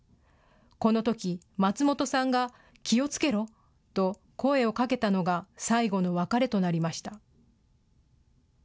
このとき、松本さんが気をつけろ、と声をかけたのが最後の別れとなりました。